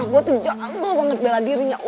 gue tuh jahat banget bela dirinya